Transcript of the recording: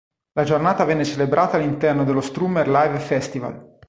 La giornata venne celebrata all'interno dello Strummer Live Festival.